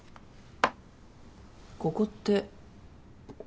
ここって。